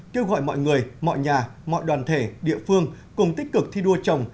kêu gọi mọi người mọi nhà mọi đoàn thể địa phương cùng tích cực thi đua chồng